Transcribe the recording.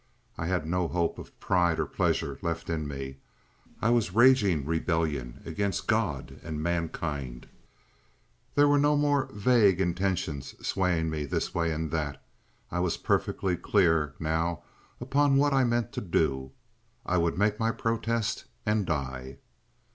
I had no hope of pride or pleasure left in me, I was raging rebellion against God and mankind. There were no more vague intentions swaying me this way and that; I was perfectly clear now upon what I meant to do. I would make my protest and die.